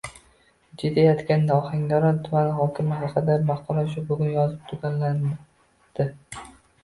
Jiddiy aytganda, Ohangaron tumani hokimi haqidagi maqola shu bugun yozib tugallanadi.